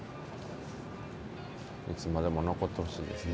いつまでも残ってほしいですね。